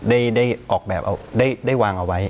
ได้ออกแบบเอาได้วางเอาไว้